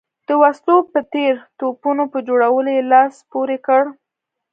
د وسلو په تېره توپونو په جوړولو یې لاس پورې کړ.